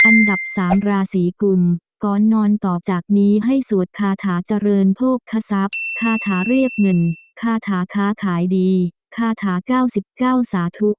อันดับ๓ราศีกุลก่อนนอนต่อจากนี้ให้สวดคาถาเจริญโภคศัพย์คาถาเรียกเงินคาถาค้าขายดีคาถา๙๙สาธุ